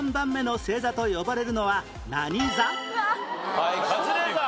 はいカズレーザー。